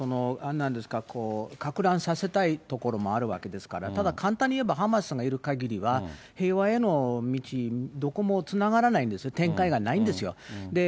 あとレバノンからヒズボラを押さえないといけないし、なんですか、かく乱させたいところもあるわけですから、ただ簡単に言えば、ハマスがいるかぎりは平和への道、どこもつながらないんですよ、展開がないんですよ。